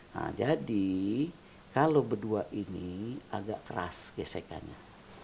nah jadi kalau berdua ini agak keras gesekannya